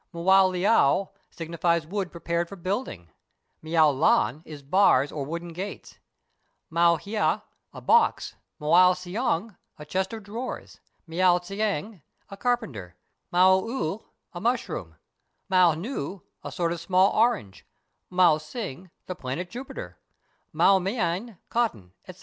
Mou leao signifies wood prepared for building ; mou Ian is bars or wooden grates; mou hia, a box; mou siang, a chest of drawers; mou tsiang, a carpenter; mou eul, a mushroom; mou nu, a sort of small orange; mou sing, the planet Jupi ter; mou mien, cotton, etc.